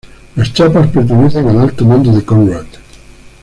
Las chapas pertenecen al alto mando de Konrad.